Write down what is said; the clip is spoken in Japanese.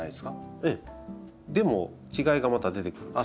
でも違いがまた出てくるんです。